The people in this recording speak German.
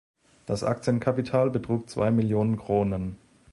Das Aktienkapital betrug zwei Millionen Kronen.